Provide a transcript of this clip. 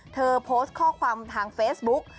เธอโพสต์ข้อความทางเฟซบุ๊ก